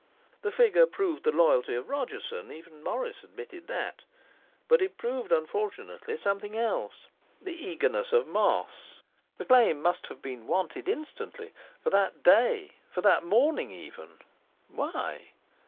The figure proved the loyalty of Rodgerson even Morris admitted that. But it proved unfortunately something else the eagerness of Moss. The claim must have been wanted instantly, for that day, for that morning even. Why?